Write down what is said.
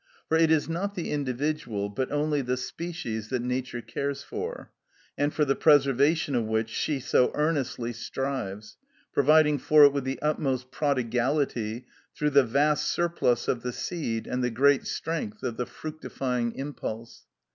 For it is not the individual, but only the species that Nature cares for, and for the preservation of which she so earnestly strives, providing for it with the utmost prodigality through the vast surplus of the seed and the great strength of the fructifying impulse.